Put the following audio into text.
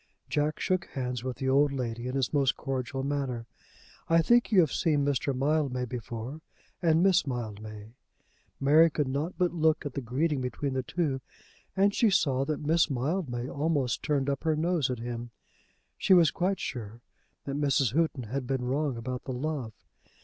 Jack shook hands with the old lady in his most cordial manner. "I think you have seen Mr. Mildmay before, and Miss Mildmay." Mary could not but look at the greeting between the two, and she saw that Miss Mildmay almost turned up her nose at him. She was quite sure that Mrs. Houghton had been wrong about the love.